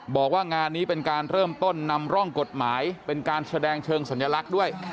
บอกว่างานนี้เป็นการเริ่มต้นนำร่องกฎหมายเป็นการแสดงเชิงสัญลักษณ์ด้วย